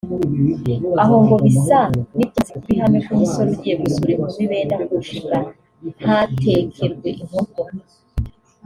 aho ngo bisa n’ibyamaze kuba ihame ko umusore ugiye gusura inkumi benda kurushinga ntatekerwe inkoko